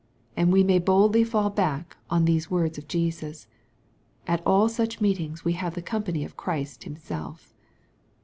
We may boldly faU back on these words of Jesus. At all such meetings we have the company of Christ Himself.